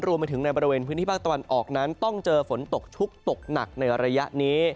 รวมไปถึงในบริเวณพื้นที่ภาคตะวันออกนั้นต้องเจอฝนตกชุกตกหนักในระยะนี้